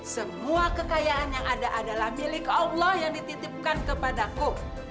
semua kekayaan yang ada adalah milik allah yang dititipkan kepadaku